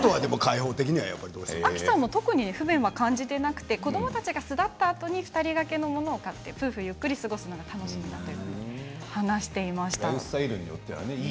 あきさんも特に不便は感じていなくて子どもたちが巣立ったあとに２人だけのものを買って夫婦２人で過ごすのが楽しみだと話していました。